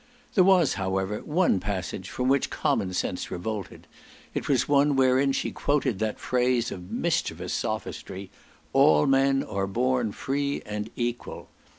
There was, however, one passage from which common sense revolted; it was one wherein she quoted that phrase of mischievous sophistry, "all men are born free and equal."